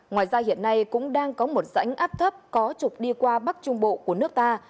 ngoài ra hiện nay cũng đang có một rãnh áp thấp có trục đi qua bắc trung bộ của nước ta